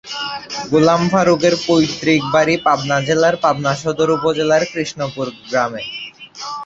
গোলাম ফারুকের পৈতৃক বাড়ি পাবনা জেলার পাবনা সদর উপজেলার কৃষ্ণপুর গ্রামে।